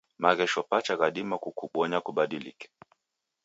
Maghesho pacha ghadima kukubonya kubadilike.